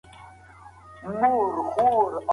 د هنر ټولنپوهنه د کلتور برخه ده.